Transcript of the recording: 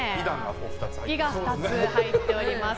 「い」が２つ入っております。